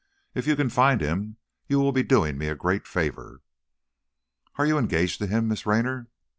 If you can find him you will be doing me a great favor." "Are you engaged to him, Miss Raynor?"